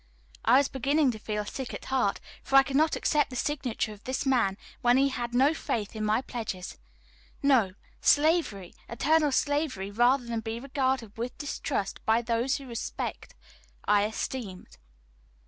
I was beginning to feel sick at heart, for I could not accept the signature of this man when he had no faith in my pledges. No; slavery, eternal slavery rather than be regarded with distrust by those whose respect I esteemed.